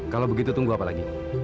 kalau begitu tunggu apa lagi